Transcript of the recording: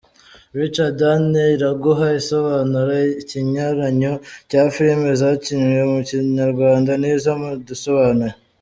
Richard Dan Iraguha asobanura ikinyuranyo cya filimi zakinnywe mu Kinyarwanda n’izo mu “dusobanuye” :.